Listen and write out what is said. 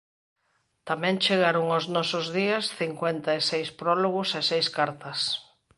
Tamén chegaron aos nosos días cincuenta e seis prólogos e seis cartas.